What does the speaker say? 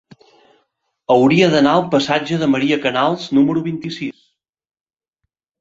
Hauria d'anar al passatge de Maria Canals número vint-i-sis.